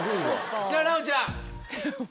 さぁ奈央ちゃん。